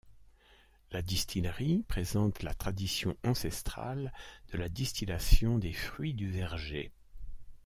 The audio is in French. La distillerie présente la tradition ancestrale de la distillation des fruits du verger.